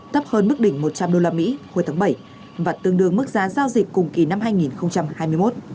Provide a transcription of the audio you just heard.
tấp hơn mức đỉnh một trăm linh đô la mỹ hồi tháng bảy và tương đương mức giá giao dịch cùng kỳ năm hai nghìn hai mươi một